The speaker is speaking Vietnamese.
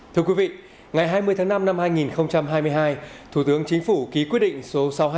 thưa quý vị ngày hai mươi tháng năm năm hai nghìn hai mươi hai thủ tướng chính phủ ký quyết định số sáu trăm hai mươi